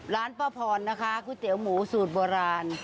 ร้านป้าพรนะคะก๋วยเตี๋ยวหมูสูตรโบราณ